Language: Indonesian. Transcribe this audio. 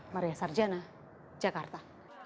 maria sarjana jakarta